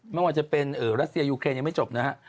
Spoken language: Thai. ไม่ว่าจะเป็นรัสเซียยูเคนยังไม่จบนะฮะ